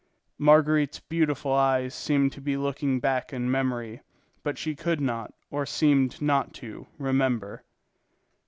Marguerite's beautiful eyes seemed to be looking back in memory, but she could not, or seemed not to, remember.